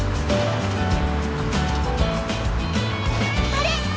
あれ！